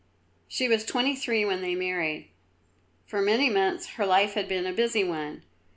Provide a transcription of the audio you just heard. She was twenty three when they married. For many months her life had been a busy one.